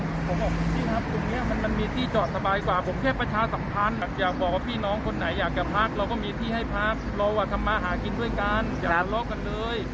ผมบอกพี่ครับตรงนี้มันมีที่จอดสบายกว่าผมแค่ประชาสัมพันธ์แบบอยากบอกว่าพี่น้องคนไหนอยากจะพักเราก็มีที่ให้พักเราทำมาหากินด้วยกันอย่าทะเลาะกันเลย